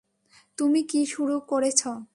তুমি কি শুরু করেছ?